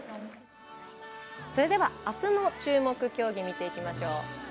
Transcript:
それでは、あすの注目競技見ていきましょう。